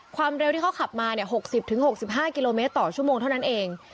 ความเร็วที่เขาขับมา๖๐๖๕กิโลเมตรต่อชั่วโมงเท่านั้นเอง